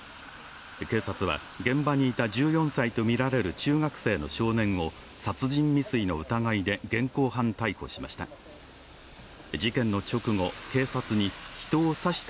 警察は現場にいた１４歳とみられる少年を殺人未遂の疑いで現行犯逮捕しました。